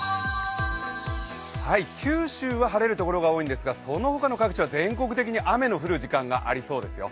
九州は晴れるところが多いんですがその他の各地は全国的に雨の降る時間がありそうですよ。